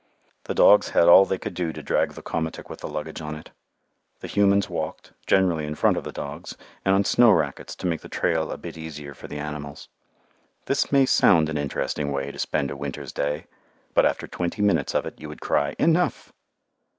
The dogs had all they could do to drag the komatik with the luggage on it. The humans walked, generally in front of the dogs, and on snow racquets, to make the trail a bit easier for the animals. This may sound an interesting way to spend a winter's day, but after twenty minutes of it you would cry "enough."